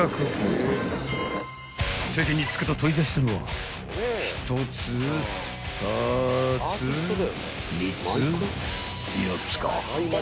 ［席に着くと取り出したのは１つ２つ３つ４つか］